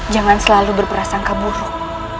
jangan selalu berperasangka buruk